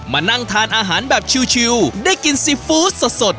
มานั่งทานอาหารแบบชิวได้กินซีฟู้ดสด